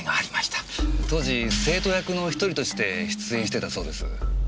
当時生徒役の１人として出演してたそうです。